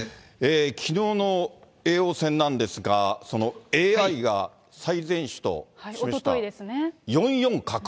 きのうの叡王戦なんですが、ＡＩが最善手と示した４四角。